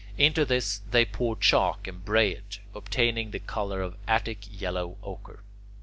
Into this they pour chalk and bray it, obtaining the colour of Attic yellow ochre.